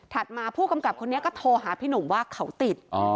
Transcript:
มาผู้กำกับคนนี้ก็โทรหาพี่หนุ่มว่าเขาติด